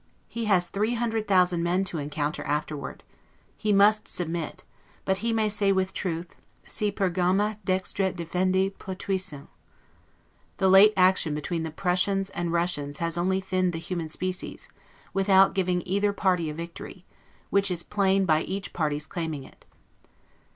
He has three hundred thousand men to encounter afterward. He must submit; but he may say with truth, 'Si Pergama dextra defendi potuissent'. The late action between the Prussians and Russians has only thinned the human species, without giving either party a victory; which is plain by each party's claiming it.